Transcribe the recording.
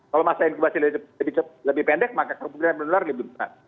kalau masa inkubasi lebih pendek maka perubahan yang menular lebih berat